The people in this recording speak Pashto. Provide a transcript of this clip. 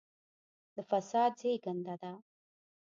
د فساد زېږنده ده.